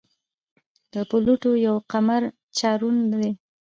د پلوټو یو قمر چارون دی.